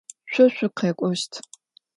Şso şsukhek'oşt.